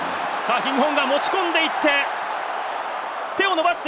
キングホーンが持ち込んでいって、手を伸ばして！